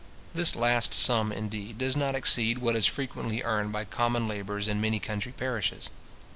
This last sum, indeed, does not exceed what is frequently earned by common labourers in many country parishes.